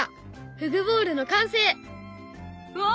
ふぐボールの完成！わ！